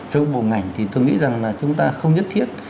trong bộ ngành thì tôi nghĩ rằng là chúng ta không nhất thiết